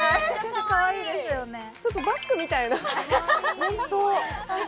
ちょっとバッグみたいなホント！